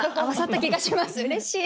うれしい！